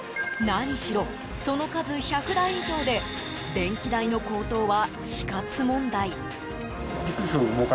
何しろ、その数１００台以上で電気代の高騰は死活問題。